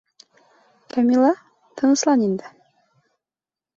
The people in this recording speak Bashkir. Камила, тыныслан инде.